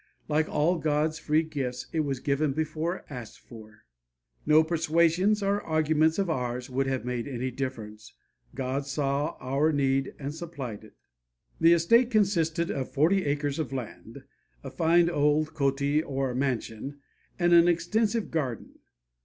Like all God's free gifts it was given before asked for; no persuasions or arguments of ours would have made any difference. God saw our need and supplied it." The estate consisted of forty acres of land, a fine old kothi or mansion, and an extensive garden.